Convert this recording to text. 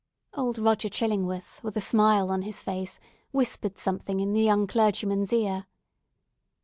Old Roger Chillingworth, with a smile on his face, whispered something in the young clergyman's ear.